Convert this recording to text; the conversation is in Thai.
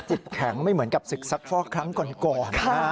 แข็งไม่เหมือนกับศึกซักฟอกครั้งก่อน